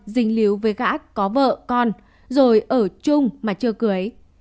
hình líu với gã có vợ con rồi ở chung mà chưa cưới